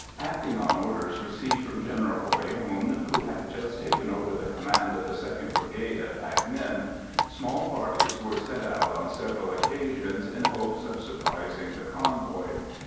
Acting on orders received from General Voyron, who had just taken over the command of the 2nd Brigade at Bac Ninh, small parties were sent out on several occasions in hopes of surprising the convoy.